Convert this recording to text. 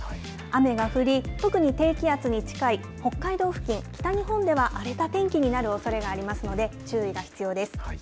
雨が降り、特に低気圧に近い北海道付近、北日本では荒れた天気になるおそれがありますので、注意が必要です。